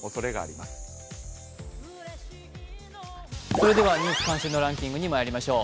それでは「ニュース関心度ランキング」にまいりましょう。